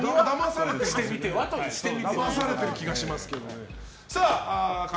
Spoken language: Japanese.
だまされてる気がしますけど。